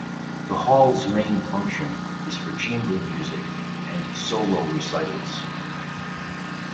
The Hall's main function is for chamber music and solo recitals.